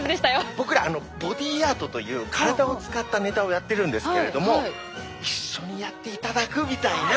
僕らボディーアートという体を使ったネタをやってるんですけれども一緒にやっていただくみたいな。